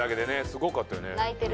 すごかったよね。